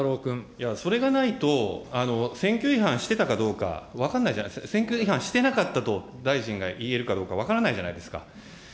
いや、それがないと、選挙違反してたかどうか、分かんないじゃないですか、選挙違反してなかったと大臣が言えるかどうか分からないじゃないですか。